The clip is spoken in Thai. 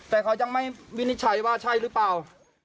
แต่เขายังไม่วินิจฉัยว่าใช่หรือเปล่า